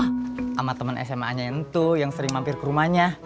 sama temen smanya itu yang sering mampir ke rumahnya